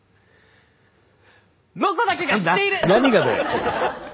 「ロコだけが知っている」！